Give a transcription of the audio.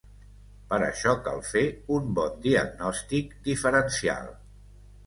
Per això cal fer un bon diagnòstic diferencial.